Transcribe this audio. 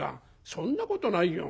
「そんなことないよ。